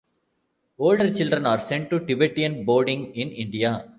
Older children are sent to Tibetan boarding in India.